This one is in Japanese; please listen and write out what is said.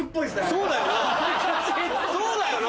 そうだよな！